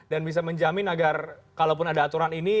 dan bisa menjamin agar kalaupun ada aturan ini